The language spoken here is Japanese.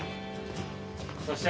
そして。